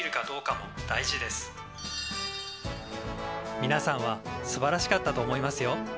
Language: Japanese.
みなさんはすばらしかったと思いますよ」。